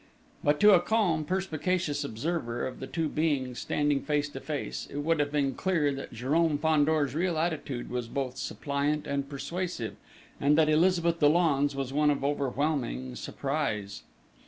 But to a calm, perspicacious observer of the two beings standing face to face, it would have been clear that Jérôme Fandor's real attitude was both suppliant and persuasive, and that Elizabeth Dollon's was one of overwhelming surprise.